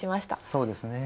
そうですね。